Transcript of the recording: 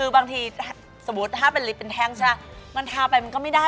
บางทีมันเก็บขอบไม่ได้